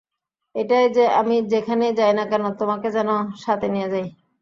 এটাই যে, আমি যেখানেই যাই না কেন, তোমাকে যেন সাথে নিয়ে যাই।